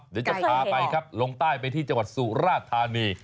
เดี๋ยวจะพาไปลงใต้ไปที่จสุราธานี